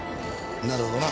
なるほどな。